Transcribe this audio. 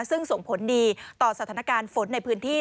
ซึ่งส่งผลดีต่อสถานการณ์ฝนในพื้นที่